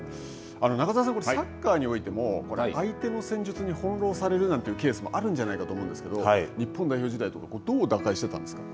中澤さん、これ、サッカーにおいても、相手の戦術に翻弄されるなんていうケースもあるんじゃないかと思うんですけれども、日本代表時代とか、どう打開していたんですか。